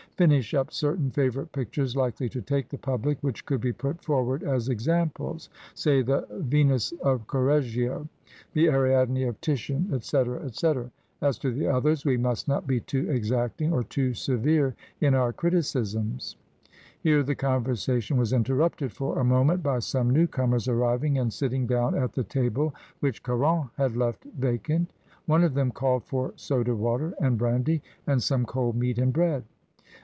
"Finish up certain favourite pictures likely to take the public, which could be put forward as examples — say the 'Venus' ofCorreggio, the 'Ariadne' ofTitian, &c., &c. As to the others, we must not be too exacting or too severe in our criticisms." Here the conversation was interrupted for a moment by some new comers arriving and sitting down at the table which Caron had left vacant One of them called for soda water and brandy, and some cold meat and bread.